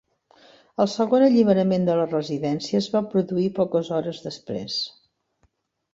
El segon alliberament de la residència es va produir poques hores després.